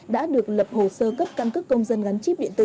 đã được lập hồ sơ cấp căn cước công dân gắn chip điện tử